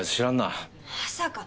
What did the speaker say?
まさか。